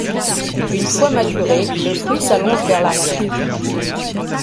Une fois maturé, le fruit s'allonge vers l'arrière.